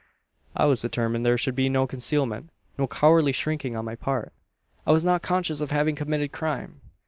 "I was determined there should be no concealment no cowardly shrinking on my part. I was not conscious of having committed crime.